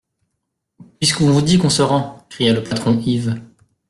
Puisqu'on vous dit qu'on se rend ! cria le patron Yves.